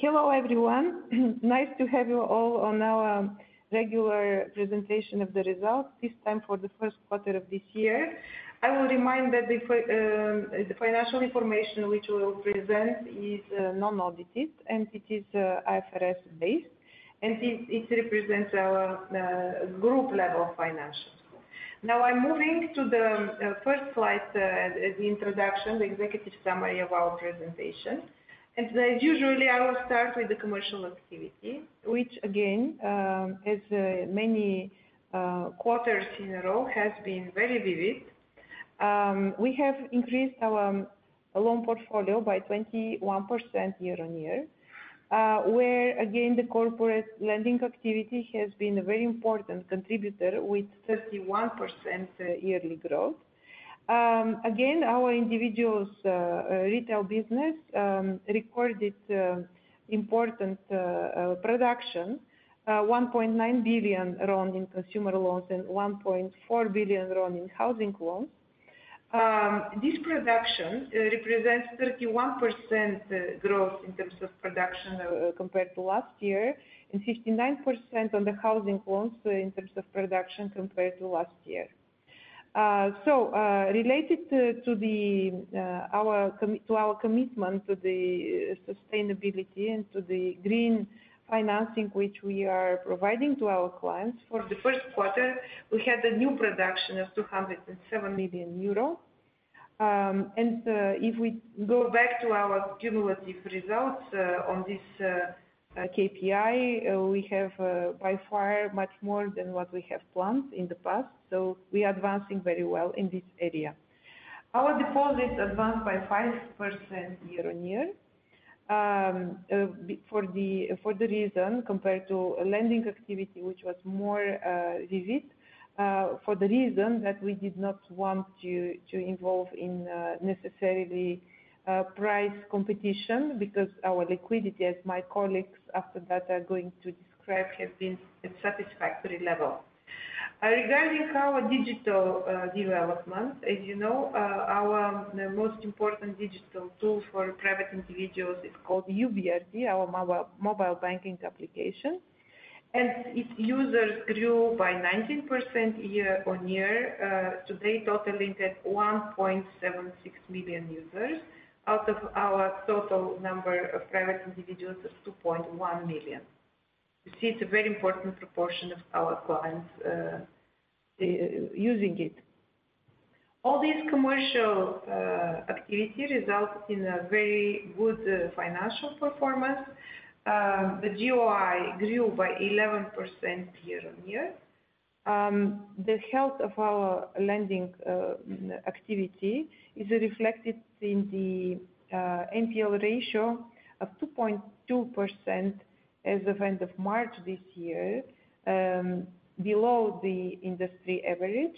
Hello, everyone. Nice to have you all on our regular presentation of the results, this time for the first quarter of this year. I will remind that the financial information which we will present is non-audited and it is IFRS based, and it represents our group level financials. Now I'm moving to the first slide, the introduction, the executive summary of our presentation. As usual, I will start with the commercial activity, which again, as many quarters in a row, has been very vivid. We have increased our loan portfolio by 21% year-on-year, where again, the corporate lending activity has been a very important contributor with 31% yearly growth. Again, our individuals retail business recorded important production, RON 1.9 billion in consumer loans and RON 1.4 billion in housing loans. Related to our commitment to the sustainability and to the green financing which we are providing to our clients, for the first quarter, we had a new production of 207 million euros. If we go back to our cumulative results on this KPI, we have by far much more than what we have planned in the past, we are advancing very well in this area. Our deposits advanced by 5% year-on-year, compared to lending activity, which was more vivid, for the reason that we did not want to involve in necessarily price competition because our liquidity, as my colleagues after that are going to describe, has been at satisfactory level. Regarding our digital development, as you know, our most important digital tool for private individuals is called YOU BRD, our mobile banking application. Its users grew by 19% year-on-year to date totaling at 1.76 million users out of our total number of private individuals of 2.1 million. You see it's a very important proportion of our clients using it. All this commercial activity resulted in a very good financial performance. The GOI grew by 11% year-on-year. The health of our lending activity is reflected in the NPL ratio of 2.2% as of end of March this year, below the industry average.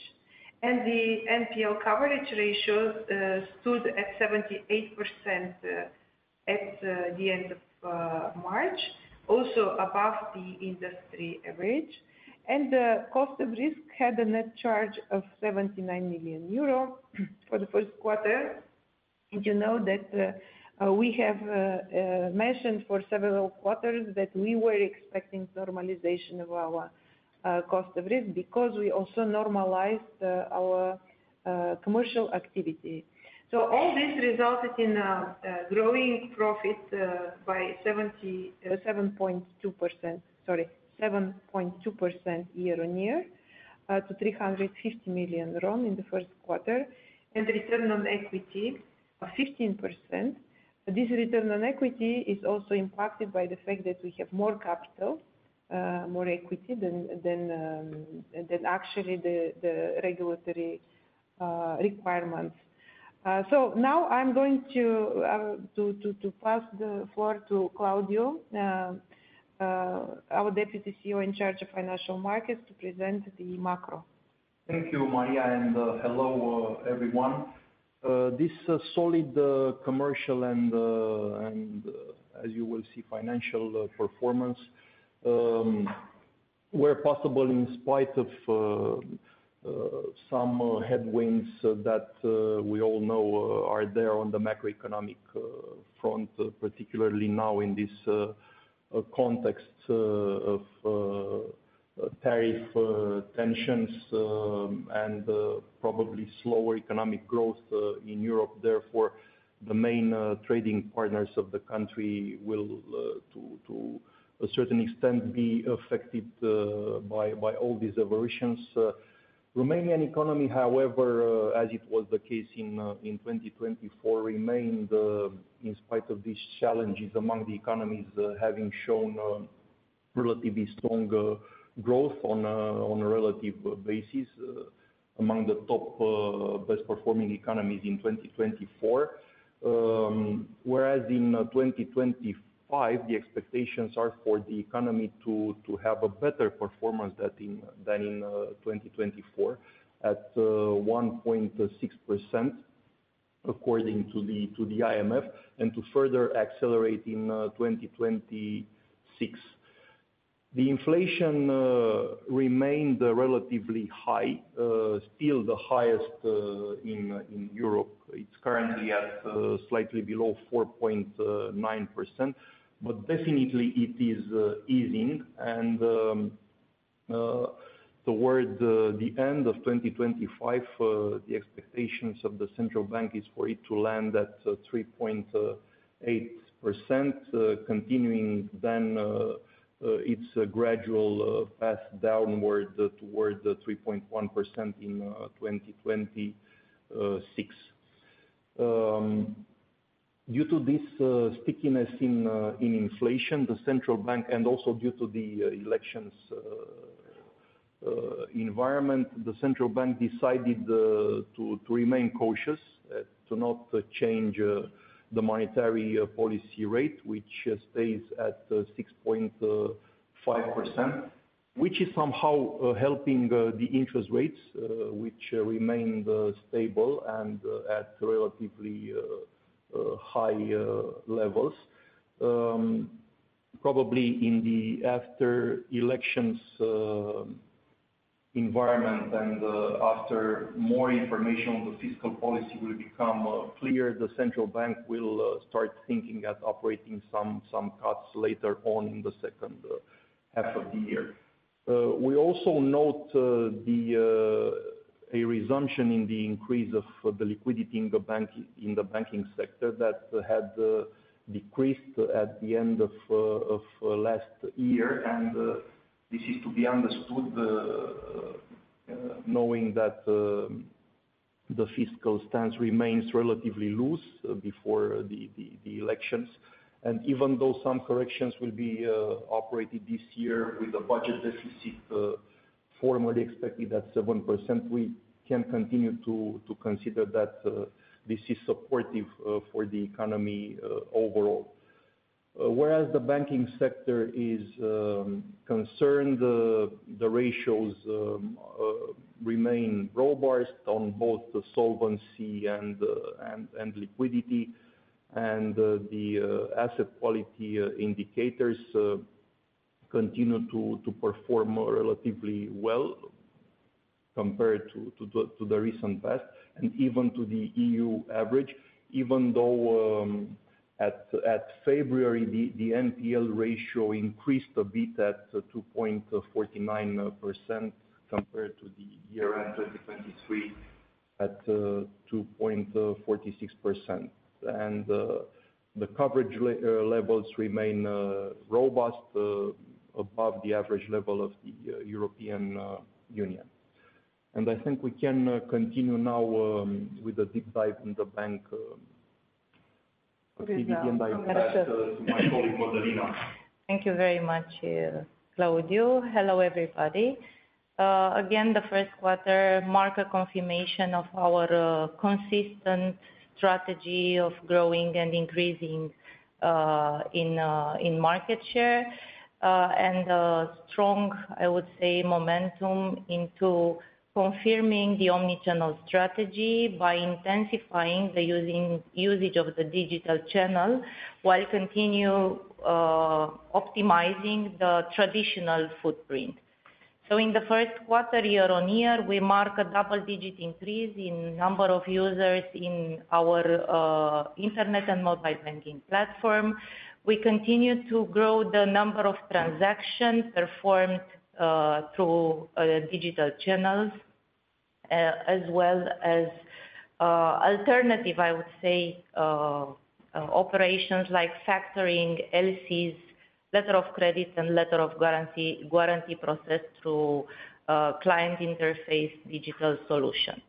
The NPL coverage ratio stood at 78% at the end of March, also above the industry average. The cost of risk had a net charge of 79 million euro for the first quarter. You know that we have mentioned for several quarters that we were expecting normalization of our cost of risk because we also normalized our commercial activity. All this resulted in a growing profit by 7.2% year-on-year, to RON 350 million in the first quarter, and return on equity of 15%. This return on equity is also impacted by the fact that we have more capital, more equity than actually the regulatory requirements. Now I'm going to pass the floor to Claudiu, our Deputy CEO in charge of financial markets, to present the macro. Thank you, Maria. Hello, everyone. This solid commercial and, as you will see, financial performance were possible in spite of some headwinds that we all know are there on the macroeconomic front, particularly now in this context of tariff tensions and probably slower economic growth in Europe. Therefore, the main trading partners of the country will, to a certain extent, be affected by all these aversions. Romanian economy, however, as it was the case in 2024, remained, in spite of these challenges, among the economies having shown relatively stronger growth on a relative basis among the top best performing economies in 2024. Whereas in 2025, the expectations are for the economy to have a better performance than in 2024 at 1.6%, according to the IMF, and to further accelerate in 2026. The inflation remained relatively high, still the highest in Europe. It's currently at slightly below 4.9%, but definitely it is easing. Towards the end of 2025, the expectations of the central bank is for it to land at 3.8%, continuing then its gradual path downward towards the 3.1% in 2026. Due to this stickiness in inflation, the central bank, and also due to the elections environment, the central bank decided to remain cautious, to not change the monetary policy rate, which stays at 6.5%, which is somehow helping the interest rates, which remain stable and at relatively high levels. Probably in the after-elections environment and after more information on the fiscal policy will become clear, the central bank will start thinking at operating some cuts later on in the second half of the year. We also note a resumption in the increase of the liquidity in the banking sector that had decreased at the end of last year. This is to be understood, knowing that the fiscal stance remains relatively loose before the elections. Even though some corrections will be operated this year with a budget deficit formally expected at 7%, we can continue to consider that this is supportive for the economy overall. Whereas the banking sector is concerned, the ratios remain robust on both the solvency and liquidity, and the asset quality indicators continue to perform relatively well compared to the recent past and even to the EU average, even though at February, the NPL ratio increased a bit at 2.49% compared to the year-end 2023 at 2.46%. The coverage levels remain robust above the average level of the European Union. I think we can continue now with a deep dive in the bank PBB. Please, I'm going to. Pass to my colleague, Mădălina. Thank you very much, Claudiu. Hello, everybody. Again, the first quarter mark a confirmation of our consistent strategy of growing and increasing in market share and a strong, I would say, momentum into confirming the omni-channel strategy by intensifying the usage of the digital channel while continue optimizing the traditional footprint. In the first quarter, year-on-year, we mark a double-digit increase in number of users in our internet and mobile banking platform. We continue to grow the number of transactions performed through digital channels as well as alternative, I would say, operations like factoring LCs, letter of credit, and letter of guarantee processed through client interface digital solution.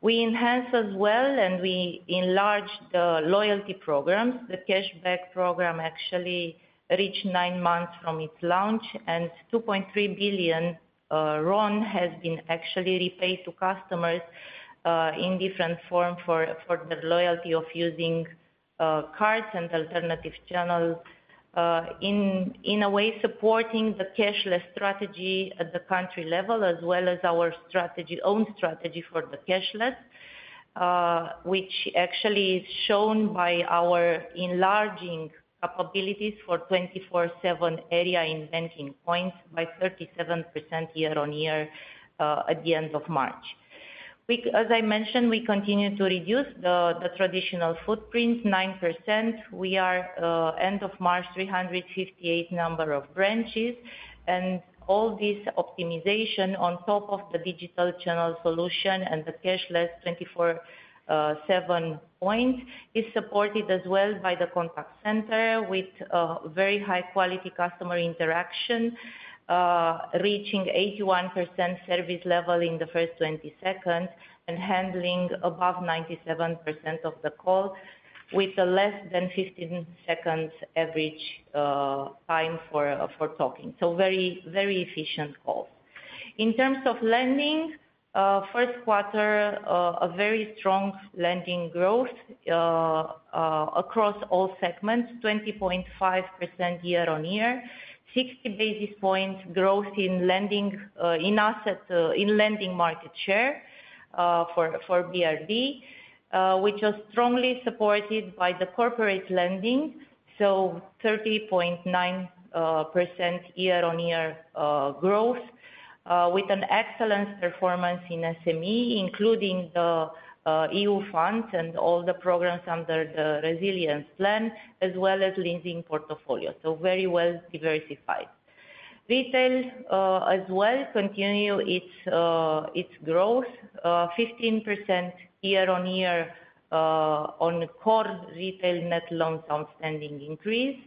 We enhance as well and we enlarge the loyalty programs. The cashback program actually reached nine months from its launch. RON 2.3 billion has been actually repaid to customers in different form for the loyalty of using cards and alternative channels, in a way supporting the cashless strategy at the country level as well as our own strategy for the cashless, which actually is shown by our enlarging capabilities for 24/7 area in banking points by 37% year-on-year at the end of March. As I mentioned, we continue to reduce the traditional footprint 9%. We are, end of March, 358 number of branches. All this optimization on top of the digital channel solution and the cashless 24/7 point is supported as well by the contact center with very high-quality customer interaction, reaching 81% service level in the first 20 seconds and handling above 97% of the call with less than 15 seconds average time for talking. Very efficient calls. In terms of lending, first quarter, a very strong lending growth across all segments, 20.5% year-on-year, 60 basis points growth in lending market share for BRD, which was strongly supported by the corporate lending, 30.9% year-on-year growth with an excellent performance in SME, including the EU funds and all the programs under the resilience plan, as well as leasing portfolio, very well diversified. Retail as well continue its growth, 15% year-on-year on core retail net loans outstanding increase,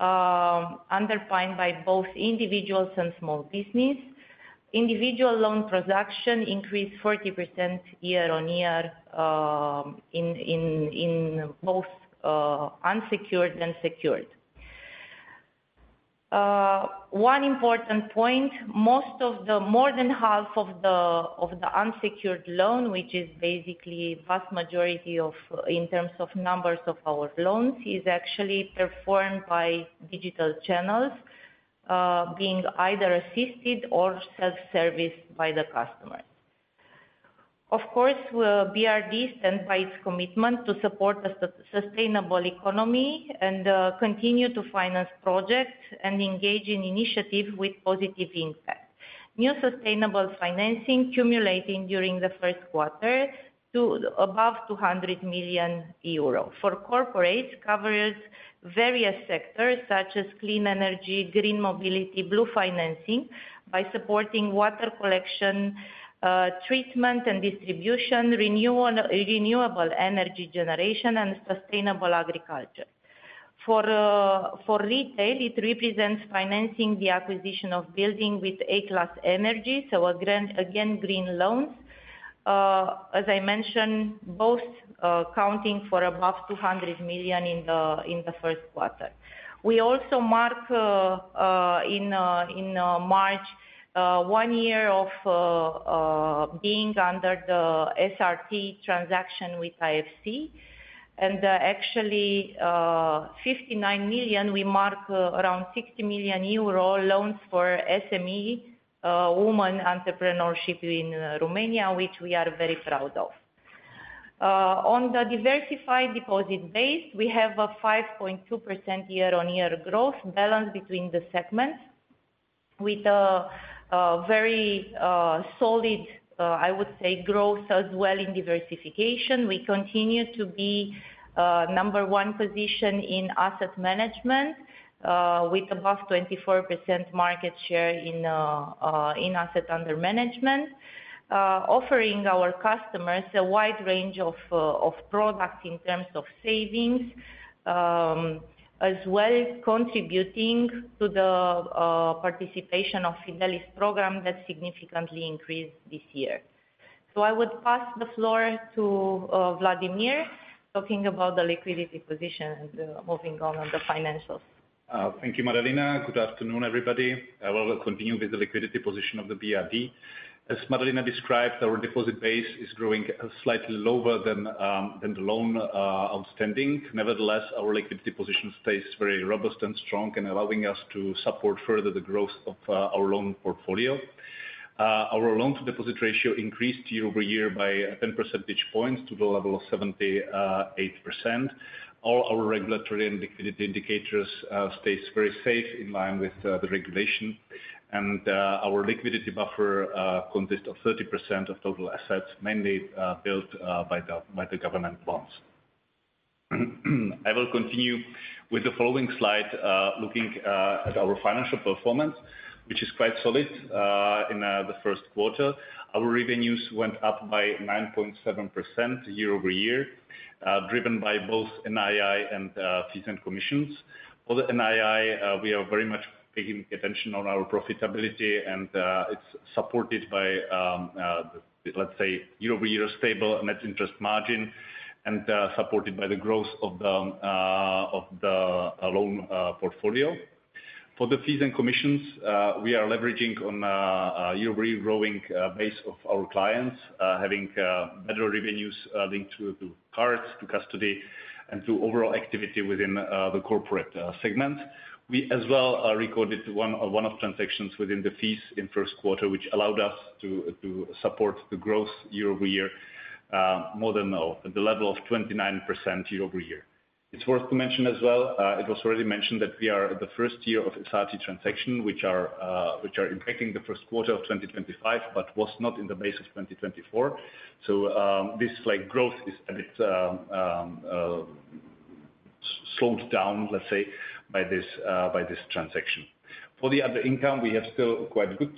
underpinned by both individuals and small business. Individual loan production increased 40% year-on-year in both unsecured and secured. One important point, more than half of the unsecured loan, which is basically vast majority in terms of numbers of our loans, is actually performed by digital channels, being either assisted or self-serviced by the customer. Of course, BRD stands by its commitment to support a sustainable economy and continue to finance projects and engage in initiatives with positive impact. New sustainable financing cumulating during the first quarter to above 200 million euro. For corporates, covers various sectors such as clean energy, green mobility, blue financing by supporting water collection, treatment and distribution, renewable energy generation, and sustainable agriculture. For retail, it represents financing the acquisition of building with A-class energy, so again, green loans. As I mentioned, both counting for above 200 million in the first quarter. We also mark in March, one year of being under the SRT transaction with IFC, and actually, 59 million, we mark around 60 million euro loans for SME woman entrepreneurship in Romania, which we are very proud of. On the diversified deposit base, we have a 5.2% year-on-year growth balance between the segments with a very solid, I would say growth as well in diversification. We continue to be number one position in asset management, with above 24% market share in asset under management, offering our customers a wide range of products in terms of savings, as well as contributing to the participation of Fidelis program that significantly increased this year. I would pass the floor to Vladimir, talking about the liquidity position and moving on the financials. Thank you, Mădălina. Good afternoon, everybody. I will continue with the liquidity position of the BRD. As Mădălina described, our deposit base is growing slightly lower than the loan outstanding. Nevertheless, our liquidity position stays very robust and strong in allowing us to support further the growth of our loan portfolio. Our loan-to-deposit ratio increased year-over-year by 10 percentage points to the level of 78%. All our regulatory and liquidity indicators stays very safe in line with the regulation. Our liquidity buffer consists of 30% of total assets, mainly built by the government bonds. I will continue with the following slide, looking at our financial performance, which is quite solid. In the first quarter, our revenues went up by 9.7% year-over-year, driven by both NII and fees and commissions. For the NII, we are very much paying attention on our profitability, and it's supported by, let's say, year-over-year stable net interest margin and supported by the growth of the loan portfolio. For the fees and commissions, we are leveraging on a year-over-year growing base of our clients, having better revenues linked to cards, to custody, and to overall activity within the corporate segment. We as well recorded one-off transactions within the fees in first quarter, which allowed us to support the growth year-over-year more than the level of 29% year-over-year. It's worth to mention as well, it was already mentioned that we are the first year of SRT transaction, which are impacting the first quarter of 2025, but was not in the base of 2024. This growth is a bit slowed down, let's say, by this transaction. For the other income, we have still quite good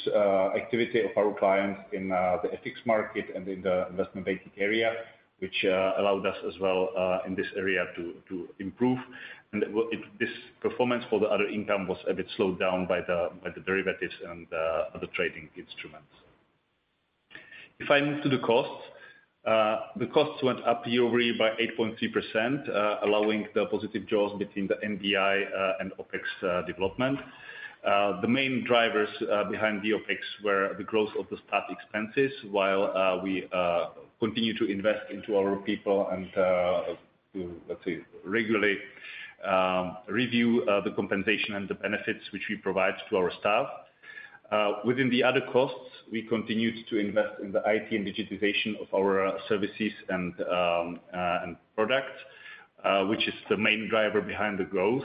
activity of our clients in the FX market and in the investment banking area, which allowed us as well, in this area, to improve. This performance for the other income was a bit slowed down by the derivatives and other trading instruments. If I move to the costs. The costs went up year-over-year by 8.3%, allowing the positive jaws between the NBI and OpEx development. The main drivers behind the OpEx were the growth of the staff expenses while we continue to invest into our people and to, let's say, regularly review the compensation and the benefits which we provide to our staff. Within the other costs, we continued to invest in the IT and digitization of our services and products, which is the main driver behind the growth.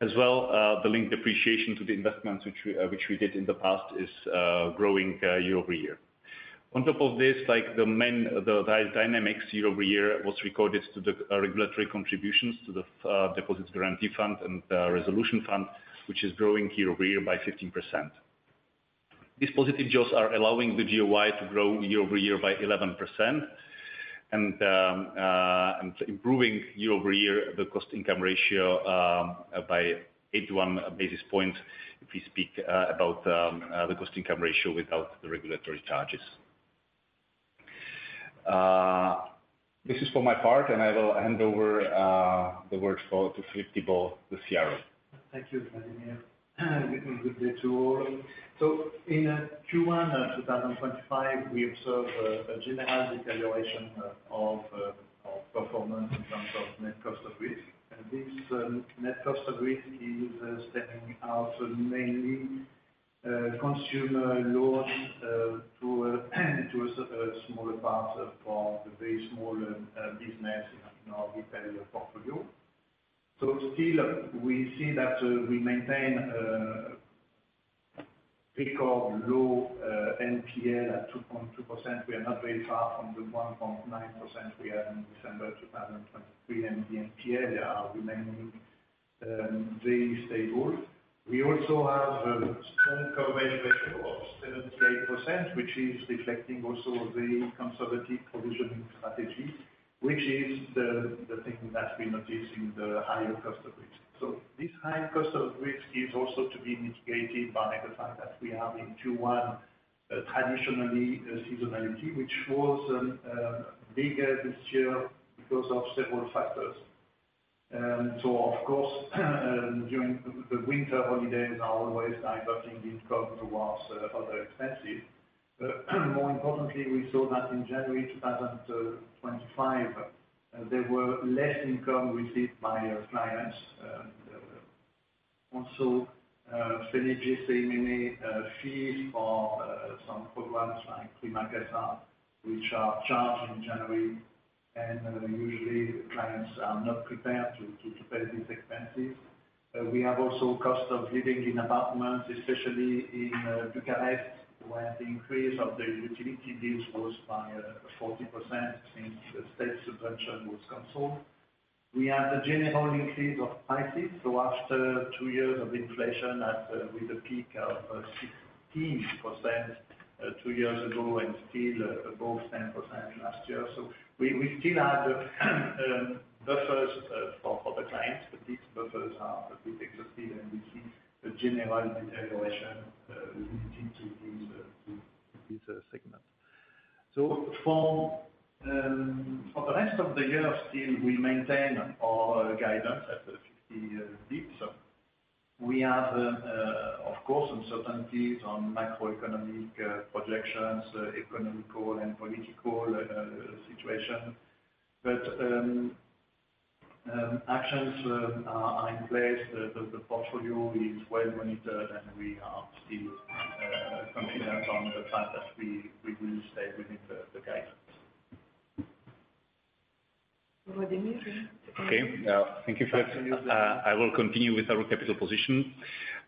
As well, the linked depreciation to the investments which we did in the past is growing year-over-year. On top of this, the dynamics year-over-year was recorded to the regulatory contributions to the Deposit Guarantee Fund and the Resolution Fund, which is growing year-over-year by 15%. These positive jaws are allowing the GOI to grow year-over-year by 11% and improving year-over-year the cost-income ratio by 81 basis points, if we speak about the cost-income ratio without the regulatory charges. This is for my part, and I will hand over the words to Philippe, the CRO. Thank you, Vladimir. Good day to all. In Q1 2025, we observed a general deterioration of performance in terms of net cost of risk. This net cost of risk is stemming out mainly consumer loans to a smaller part for the very small business in our retail portfolio. Still, we see that we maintain a record low NPL at 2.2%. We are not very far from the 1.9% we had in December 2023, and the NPA are remaining very stable. We also have a strong coverage ratio of 78%, which is reflecting also the conservative provisioning strategy, which is the thing that we notice in the higher cost of risk. This higher cost of risk is also to be mitigated by the fact that we have in Q1 traditionally seasonality, which was bigger this year because of several factors. Of course, during the winter holidays are always diverting the income towards other expenses. More importantly, we saw that in January 2025, there were less income received by clients. Also, many fees for some programs like Prima Casa, which are charged in January, and usually clients are not prepared to pay these expenses. We have also cost of living in apartments, especially in Bucharest, where the increase of the utility bills was by 40% since state subvention was canceled. We have a general increase of prices. After two years of inflation at with a peak of 16% two years ago and still above 10% last year. We still have buffers for the clients, but these buffers are a bit exhausted, and we see a general deterioration due to this segment. For the rest of the year, still, we maintain our guidance at 50 basis points. We have, of course, uncertainties on macroeconomic projections, economic and political situation. Actions are in place. The portfolio is well-monitored, and we are still confident on the fact that we will stay within the guidance. Vladimir. Okay. Thank you, Philippe. I will continue with our capital position.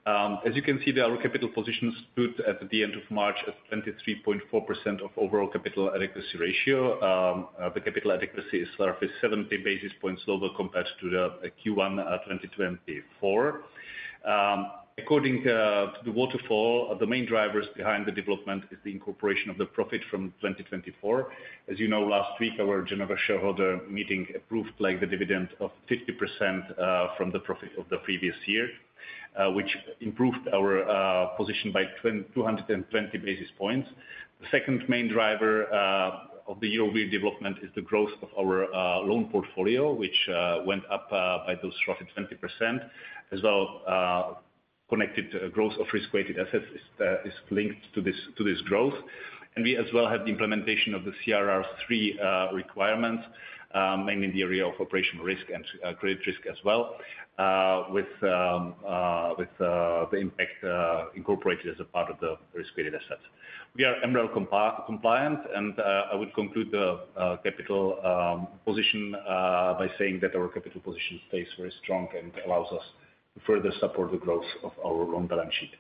As you can see, our capital position stood at the end of March at 23.4% of overall capital adequacy ratio. The capital adequacy surplus 70 basis points lower compared to the Q1 2024. According to the waterfall, the main drivers behind the development is the incorporation of the profit from 2024. As you know, last week, our general shareholder meeting approved the dividend of 50% from the profit of the previous year, which improved our position by 220 basis points. The second main driver of the year-over-year development is the growth of our loan portfolio, which went up by those roughly 20%, as well connected growth of risk-weighted assets is linked to this growth. We as well have the implementation of the CRR3 requirements, mainly in the area of operational risk and credit risk as well, with the impact incorporated as a part of the risk-weighted assets. We are MREL-compliant, I would conclude the capital position by saying that our capital position stays very strong and allows us to further support the growth of our loan balance sheet.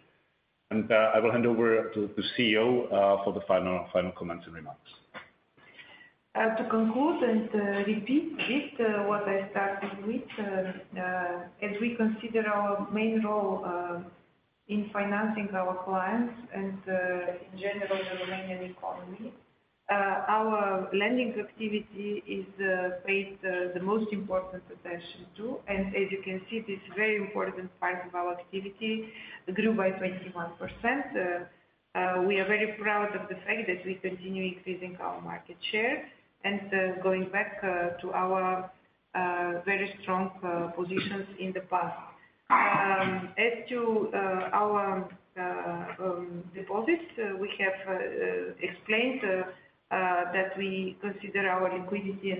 I will hand over to CEO for the final comments and remarks. To conclude and repeat this, what I started with, as we consider our main role in financing our clients and in general, the Romanian economy our lending activity is paid the most important attention to. As you can see, this very important part of our activity grew by 21%. We are very proud of the fact that we continue increasing our market share and going back to our very strong positions in the past. As to our deposits, we have explained that we consider our liquidity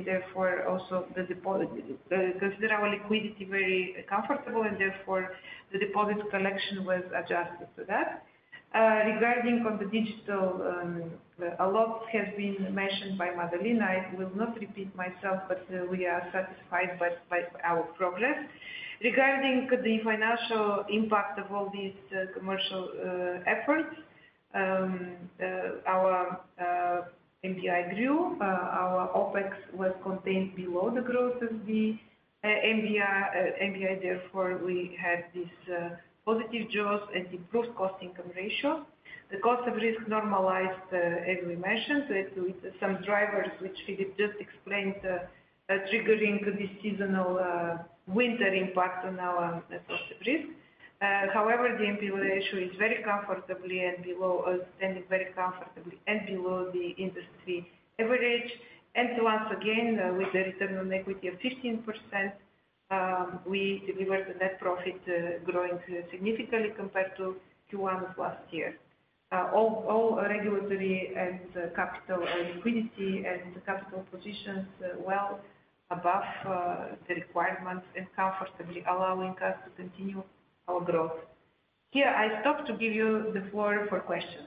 very comfortable, and therefore, the deposit collection was adjusted to that. Regarding on the digital, a lot has been mentioned by Mădălina. I will not repeat myself, but we are satisfied by our progress. Regarding the financial impact of all these commercial efforts, our NBI grew, our OpEx was contained below the growth of the NBI. Therefore, we had these positive jaws and improved cost-income ratio. The cost of risk normalized, as we mentioned, with some drivers, which Philippe just explained, triggering the seasonal winter impact on our cost of risk. However, the NPL ratio is standing very comfortably and below the industry average. Once again, with the return on equity of 15%, we delivered the net profit growing significantly compared to Q1 of last year. All regulatory and capital liquidity and capital positions well above the requirements and comfortably allowing us to continue our growth. Here, I stop to give you the floor for questions.